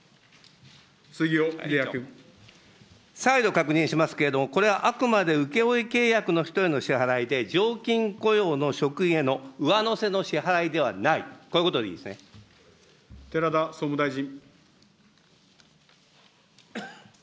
再度、確認しますけれども、これはあくまで請け負い契約の人への支払いで、常勤雇用の職員への上乗せの支払いではない、こういうことでいい寺田総務大臣。